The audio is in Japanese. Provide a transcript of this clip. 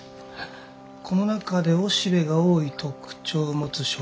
この中で雄しべが多い特徴を持つ植物は。